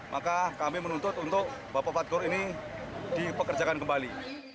maka kami menuntut untuk bapak fadkur ini dipekerjakan kembali